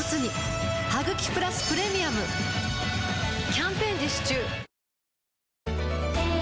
キャンペーン実施中